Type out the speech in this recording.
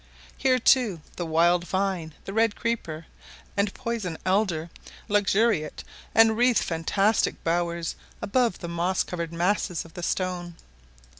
Here, too, the wild vine, red creeper, and poison elder, luxuriate, and wreathe fantastic bowers above the moss covered masses of the stone.